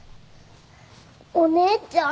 お姉ちゃん？